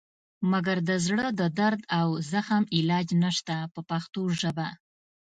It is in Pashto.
مګر د زړه د درد او زخم علاج نشته په پښتو ژبه.